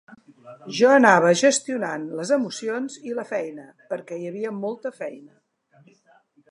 Jo anava gestionant les emocions i la feina, perquè hi havia molta feina.